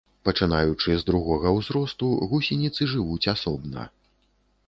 Пачынаючы з другога ўзросту, гусеніцы жывуць асобна.